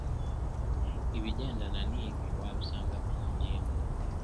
Ibigendana n’ibi wabisanga ku ngingo